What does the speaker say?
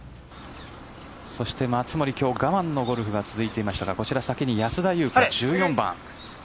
そして松森、今日我慢のゴルフが続いていましたが先に安田祐香、１４番。